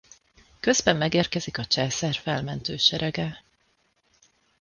Közben megérkezik a császár felmentő serege.